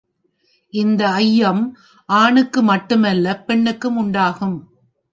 இந்த ஐயம் ஆணுக்கு மட்டுமல்ல பெண்ணுக்கும் உண்டாகும்.